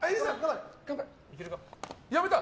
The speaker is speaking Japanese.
やめた！